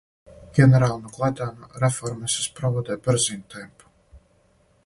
Генерално гледано, реформе се спроводе брзим темпом.